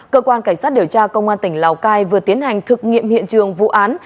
cơ quan cảnh sát điều tra công an tỉnh lào cai vừa tiến hành thực nghiệm hiện trường vụ án